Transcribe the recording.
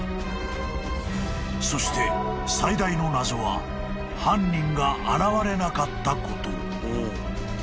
［そして最大の謎は犯人が現れなかったこと］